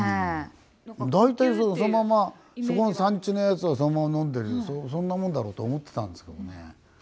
大体そこの産地のやつをそのまま飲んでるそんなもんだろうと思ってたんですけどね